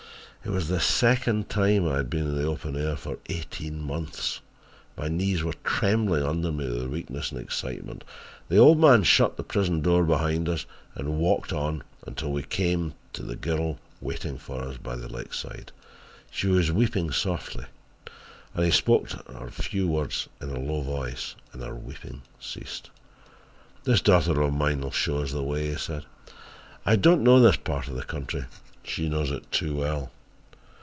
"It was the second time I had been in the open air for eighteen months and my knees were trembling under me with weakness and excitement. The old man shut the prison door behind us and walked on until we came up to the girl waiting for us by the lakeside. She was weeping softly and he spoke to her a few words in a low voice and her weeping ceased. "'This daughter of mine will show us the way,' he said, 'I do not know this part of the country she knows it too well.'